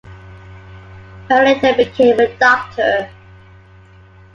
Barrett later became a doctor.